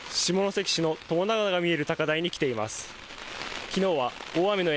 下関市の友田川が見える高台に来ています。